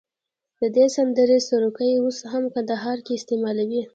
د دې سندرې سروکي اوس هم کندهار کې استعمالوي.